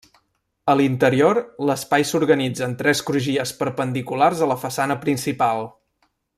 A l'interior, l'espai s'organitza en tres crugies perpendiculars a la façana principal.